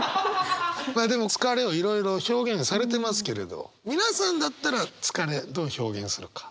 まあでも疲れをいろいろ表現されてますけれど皆さんだったら疲れどう表現するか。